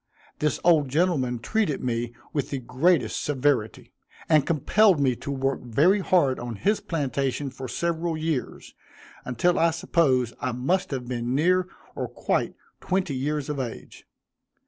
This old gentleman treated me with the greatest severity, and compelled me to work very hard on his plantation for several years, until I suppose I must have been near or quite twenty years of age.